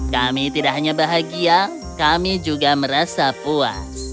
kami tidak hanya bahagia kami juga merasa puas